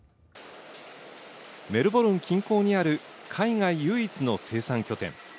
メルボルン近郊にある海外唯一の生産拠点。